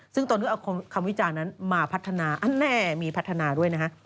ซึ่งตนก็เอาคำวิจารณ์นั้นมาพัฒนาอันแน่มีพัฒนาด้วยนะฮะ